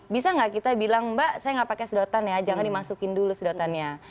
bisa nggak kita bilang mbak saya nggak pakai sedotan ya jangan dimasukin dulu sedotannya